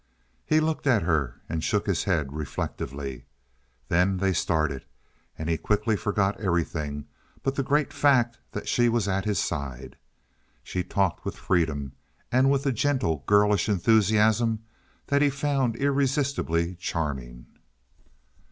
He looked at her and shook his head reflectively. Then they started, and he quickly forgot everything but the great fact that she was at his side. She talked with freedom and with a gentle girlish enthusiasm that he found irresistibly charming.